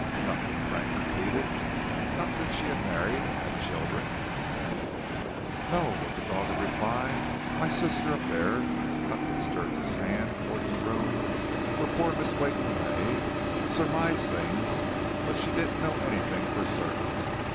"Nothing?" Frank repeated. "Not that she had married and had had children?" "No," was the dogged reply. "My sister up there," and Huckins jerked his hand towards the room where poor Mrs. Wakeham lay, "surmised things, but she didn't know anything for certain.